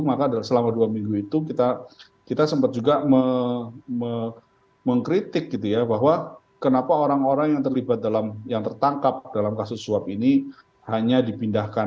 maka selama dua minggu itu kita sempat juga mengkritik bahwa kenapa orang orang yang tertangkap dalam kasus swab ini hanya dipindahkan